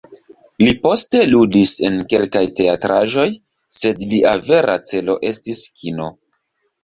Li poste ludis en kelkaj teatraĵoj, sed lia vera celo estis kino.